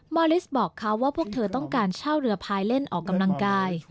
อลิสบอกเขาว่าพวกเธอต้องการเช่าเรือพายเล่นออกกำลังกาย